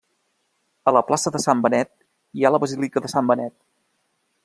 A la plaça de Sant Benet hi ha la Basílica de Sant Benet.